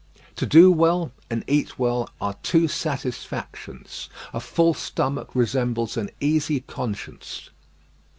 To do well and eat well are two satisfactions. A full stomach resembles an easy conscience.